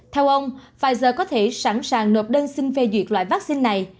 theo ông pfizer có thể sẵn sàng nộp đơn xin phê duyệt loại vaccine này